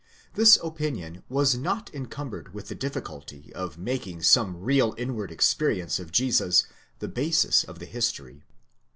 This opinion is not encumbered with the difficulty of making some real inward experience of Jesus the basis of the history